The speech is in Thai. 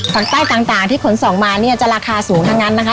ฝั่งใต้ต่างที่ขนส่งมาเนี่ยจะราคาสูงทั้งนั้นนะคะ